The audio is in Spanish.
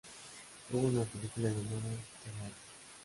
Hubo una película llamada The Rage:.